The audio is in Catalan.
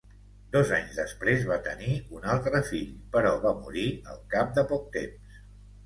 Dos anys després va tenir un altre fill, però va morir al cap de poc temps.